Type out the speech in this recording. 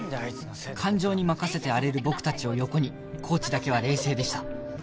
感情に任せて荒れる僕たちを横にコーチだけは冷静でした